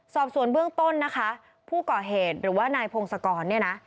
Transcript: สอบส่วนเบื้องต้นนะคะผู้ก่อเหตุหรือว่านายพงศกรเนี่ยนะ